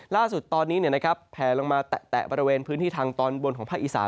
ล่าสุดตอนนี้แผลลงมาแตะบริเวณพื้นที่ทางตอนบนของภาคอีสาน